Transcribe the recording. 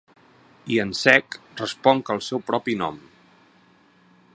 I en sec responc el seu propi nom.